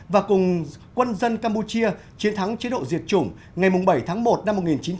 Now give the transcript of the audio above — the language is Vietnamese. và cùng quân dân campuchia chiến thắng chế độ diệt chủng ngày bảy tháng một năm một nghìn chín trăm bảy mươi